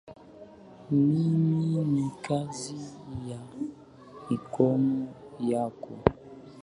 Mimi ni kazi ya mikono yako.